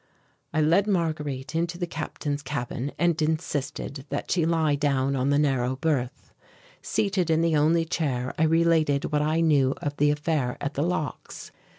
I led Marguerite into the Captain's cabin and insisted that she lie down on the narrow berth. Seated in the only chair, I related what I knew of the affair at the locks.